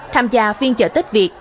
tham gia phiên chợ tết việt